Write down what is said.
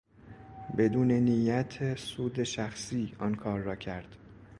بدون نیت سود شخصی آن کار را کرد.